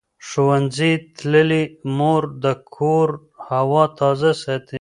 ښوونځې تللې مور د کور هوا تازه ساتي.